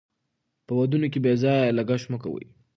په ودونو کې بې ځایه لګښت مه کوئ.